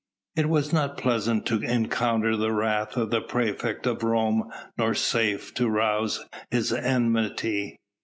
It was not pleasant to encounter the wrath of the praefect of Rome nor safe to rouse his enmity.